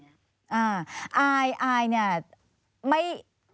อายอายเนี่ยไม่